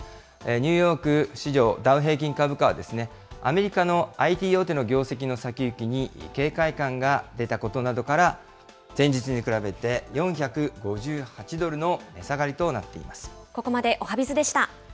ニューヨーク市場ダウ平均株価は、アメリカのＩＴ大手の業績の先行きに警戒感が出たことなどから、前日に比べて４５８ドルの値下がりとなっています。